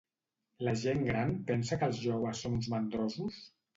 La gent gran pensa que els joves són uns mandrosos?